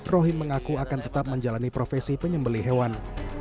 rohim mengaku akan tetap menjalani profesi penyembeli hewan